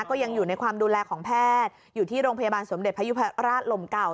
ก็ยังอยู่ในความดูแลของแพทย์อยู่ที่โรงพยาบาลสมเด็จพยุพราชลมเก่า